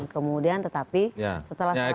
kemudian tetapi setelah salah satu